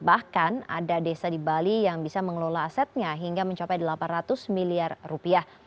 bahkan ada desa di bali yang bisa mengelola asetnya hingga mencapai delapan ratus miliar rupiah